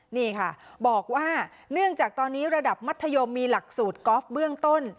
นี่ค่ะบอกว่าเนื่องจากตอนนี้ระดับมัธยมมีหลักสูตรกอล์ฟเบื้องต้น